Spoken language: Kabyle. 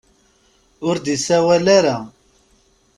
Ur d-isawal ara.